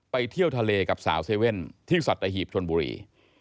เที่ยวทะเลกับสาวเซเว่นที่สัตหีบชนบุรี